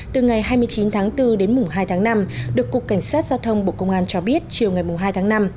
từ ngày hai mươi chín tháng bốn đến mùng hai tháng năm được cục cảnh sát giao thông bộ công an cho biết chiều ngày hai tháng năm